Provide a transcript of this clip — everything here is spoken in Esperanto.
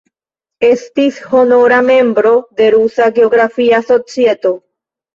Estis honora membro de Rusa Geografia Societo.